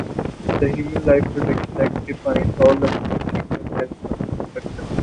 The Human Life Protection Act "defines all unborn children as persons".